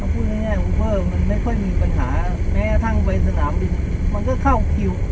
พูดง่ายผมว่ามันไม่ค่อยมีปัญหาแม้กระทั่งไปสนามบินมันก็เข้าคิว